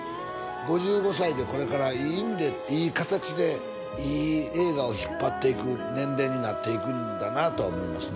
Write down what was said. ５５歳でこれからいい意味でいい形でいい映画を引っ張っていく年齢になっていくんだなとは思いますね